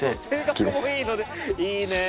いいねえ。